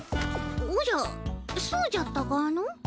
おじゃそうじゃったかの？